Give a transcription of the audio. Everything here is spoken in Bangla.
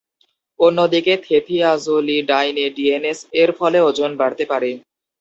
অন্যদিকে থেথিয়াজোলিডাইনেডিয়েনেস-এর ফলে ওজন বাড়তে পারে।